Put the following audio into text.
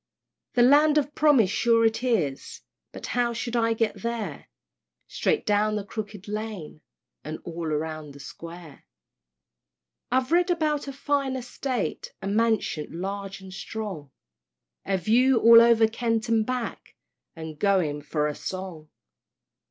The Land of Promise sure it is! But how shall I get there? "Straight down the Crooked Lane, And all round the Square." I've read about a fine Estate, A Mansion large and strong; A view all over Kent and back, And going for a song.